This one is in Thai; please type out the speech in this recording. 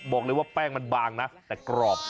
บอกเลยว่าแป้งมันบางนะแต่กรอบ